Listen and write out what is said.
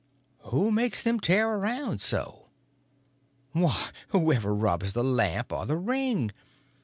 "Who makes them tear around so?" "Why, whoever rubs the lamp or the ring.